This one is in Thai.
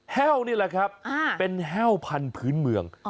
แห้วนี่แหละครับเป็นแห้วพันธุ์เมือง